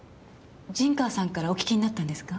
陣川さんからお聞きになったんですか？